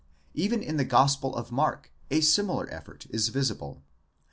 18 Even in the Gospel of _ Mark a similar effort is visible.